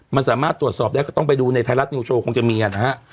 มันสามารถตรวจสอบได้ก็ต้องไปดูในไทยรัฐนิวโชว์คงจะมีนะฮะ